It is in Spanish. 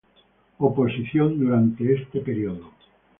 Oposición" durante este período.